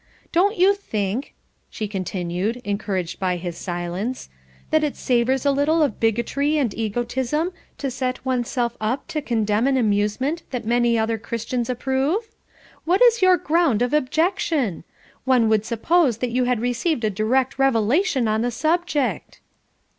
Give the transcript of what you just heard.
Don't you think," she continued, encouraged by his silence, "that it savours a little of bigotry and egotism to set one's self up to condemn an amusement that many other Christians approve? What is your ground of objection? One would suppose that you had received a direct revelation on the subject."